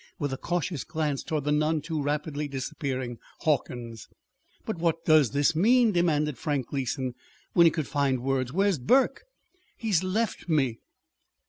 with a cautious glance toward the none too rapidly disappearing Hawkins. "But what does this mean?" demanded Frank Gleason, when he could find words. "Where's Burke?" "He's left me."